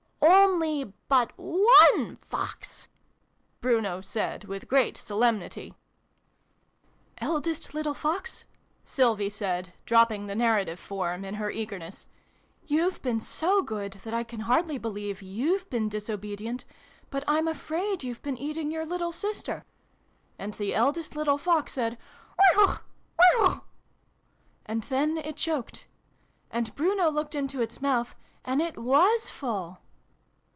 " Only but one Fox !" Bruno said with great solemnity. R 242 SYLVIE AND BRUNO CONCLUDED. "' Eldest little Fox,' " Sylvie said, dropping the narrative form in her eagerness. "' you've been so good that I can hardly believe youve been disobedient : but I'm afraid you've been eating your little sister ?' And the eldest little Fox said ' Whihuauch ! Whihuauch !' and then it choked. And Bruno looked into its mouth, and it was full